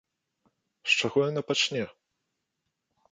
З чаго яна пачне?